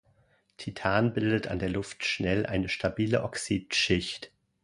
Titan bildet an der Luft schnell eine stabile Oxidschicht.